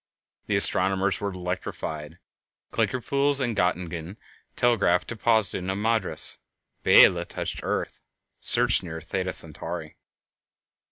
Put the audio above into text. The astronomers were electrified. Klinkerfues, of Göttingen, telegraphed to Pogson, of Madras: _"Biela touched earth; search near Theta Centauri."